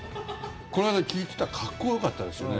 この間、聞いてたらかっこよかったですよね。